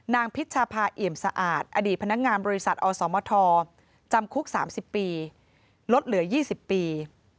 พิชภาเอี่ยมสะอาดอดีตพนักงานบริษัทอสมทจำคุก๓๐ปีลดเหลือ๒๐ปี